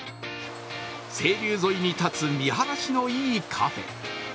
清流沿いに建つ見晴らしのいいカフェ。